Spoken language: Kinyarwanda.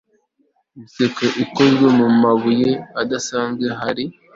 inseko ikozwe mumabuye adasanzwe ahari